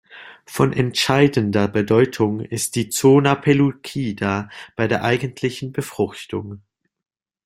Von entscheidender Bedeutung ist die Zona pellucida bei der eigentlichen Befruchtung.